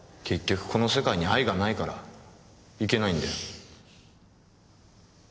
結局この世界に愛がないからいけないんだよ。